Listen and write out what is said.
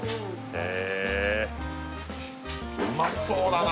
へえうまそうだな！